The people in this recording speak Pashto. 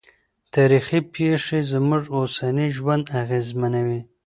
تاریخي پېښې زموږ اوسنی ژوند اغېزمنوي.